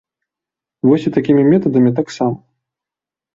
Вось і такімі метадамі таксама.